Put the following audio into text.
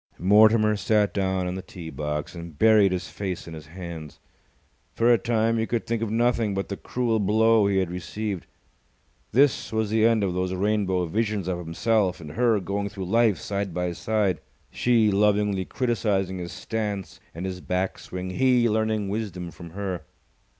Mortimer sat down on the tee box, and buried his face in his hands. For a time he could think of nothing but the cruel blow he had received. This was the end of those rainbow visions of himself and her going through life side by side, she lovingly criticizing his stance and his back swing, he learning wisdom from her.